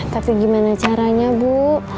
tapi gimana caranya bu